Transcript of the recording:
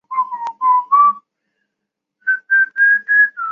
山松鼠是一种只生活于哥斯大黎加与巴拿马的松鼠。